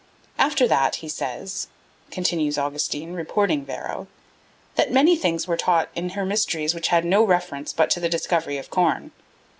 After that he says," continues Augustine, reporting Varro, "that many things were taught in her mysteries which had no reference but to the discovery of the corn."